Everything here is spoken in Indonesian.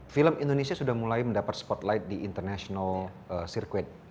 film indonesia sudah mulai mendapat spotlight di international circuit